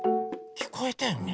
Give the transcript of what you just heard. きこえたよね？